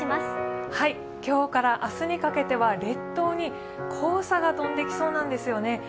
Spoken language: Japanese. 今日から明日にかけては列島に黄砂が飛んできそうなんですよね。